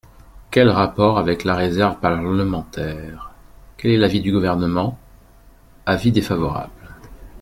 Quel rapport avec la réserve parlementaire ? Quel est l’avis du Gouvernement ? Avis défavorable.